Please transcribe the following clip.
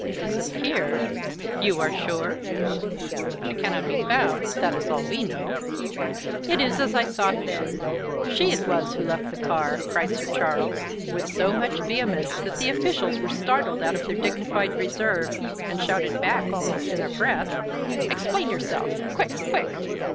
"Disappeared? You are sure?" "She cannot be found, that is all we know." "It is as I thought, then. She it was who left the car!" cried Sir Charles, with so much vehemence that the officials were startled out of their dignified reserve, and shouted back almost in a breath: "Explain yourself. Quick, quick.